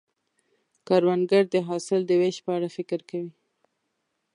کروندګر د حاصل د ویش په اړه فکر کوي